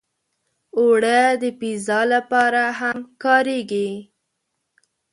اوړه د پیزا لپاره هم کارېږي